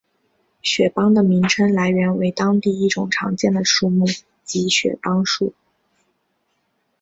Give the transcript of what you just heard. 雪邦的名称来源为当地一种常见的树木即雪邦树。